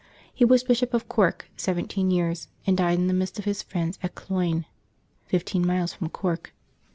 He was Bishop of Cork seventeen years, and died in the midst of his friends at Cloyne, fif teen miles from Cork.